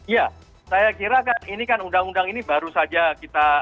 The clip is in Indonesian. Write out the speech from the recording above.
ya saya kira kan ini kan undang undang ini baru saja kita